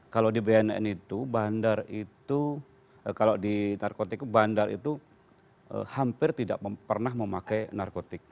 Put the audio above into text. kalau di bnn itu bandar itu kalau di narkotik itu bandar itu hampir tidak pernah memakai narkotik